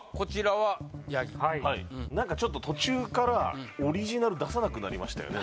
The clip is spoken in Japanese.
はい何かちょっと途中からオリジナル出さなくなりましたよね